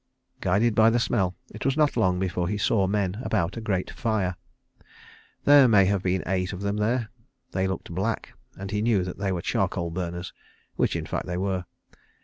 Guided by the smell he was not long before he saw men about a great fire. There may have been eight of them there. They looked black, and he knew that they were charcoal burners which in fact they were.